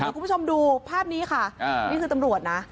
คุณผู้ชมดูภาพนี้ค่ะนี่คือตำรวจนะ